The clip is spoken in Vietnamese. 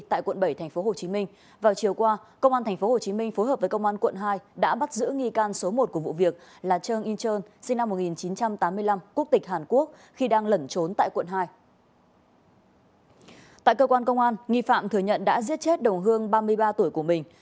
tại cơ quan công an nghi phạm thừa nhận đã giết chết đồng hương ba mươi ba tuổi của mình